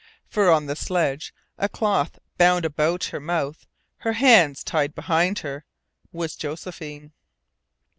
For on the sledge, a cloth bound about her mouth, her hands tied behind her, was Josephine!